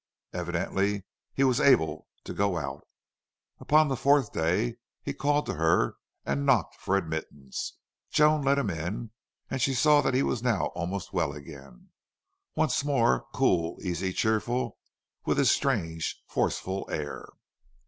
Evidently he was able to go out. Upon the fourth day he called to her and knocked for admittance. Joan let him in, and saw that he was now almost well again, once more cool, easy, cheerful, with his strange, forceful air.